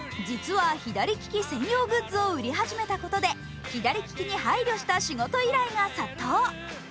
実は左利き専用グッズを売り始めたことで左利きに配慮した仕事依頼が殺到。